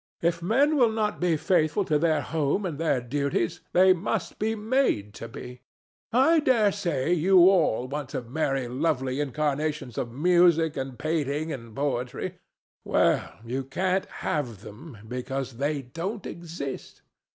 If men will not be faithful to their home and their duties, they must be made to be. I daresay you all want to marry lovely incarnations of music and painting and poetry. Well, you can't have them, because they don't exist.